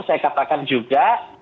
saya katakan juga